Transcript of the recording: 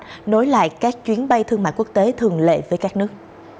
và nối lại các chuyến bay thương mại quốc tế thường lệ với các nước